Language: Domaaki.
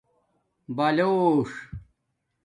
بلݸݽ